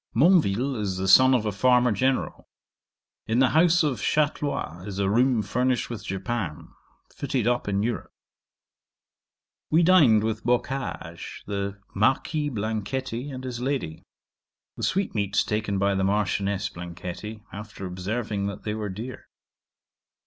'Monville is the son of a farmer general. In the house of Chatlois is a room furnished with japan, fitted up in Europe. 'We dined with Boccage, the Marquis Blanchetti, and his lady. The sweetmeats taken by the Marchioness Blanchetti, after observing that they were dear.